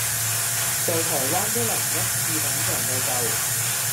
在台灣都能一次品嚐個夠